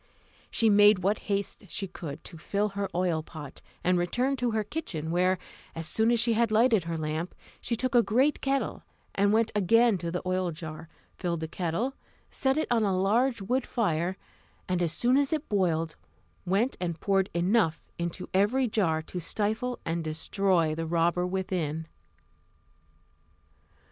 She made what haste she could to fill her oil pot, and returned into her kitchen, where, as soon as she had lighted her lamp, she took a great kettle, went again to the oil jar, filled the kettle, set it on a large wood fire, and as soon as it boiled went and poured enough into every jar to stifle and destroy the robber within.